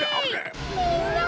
みんな！